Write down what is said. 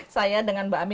saya dengan mbak ami